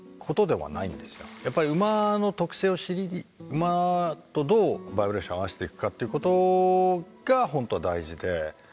やっぱり馬の特性を知り馬とどうバイブレーションを合わせていくかっていうことが本当は大事で。